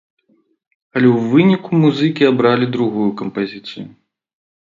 Але ў выніку музыкі абралі другую кампазіцыю.